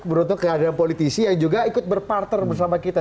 beruntung kehadiran politisi yang juga ikut berpartner bersama kita